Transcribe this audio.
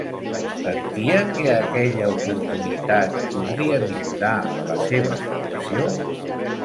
Sentia que aquella oportunitat podria millorar la seva situació?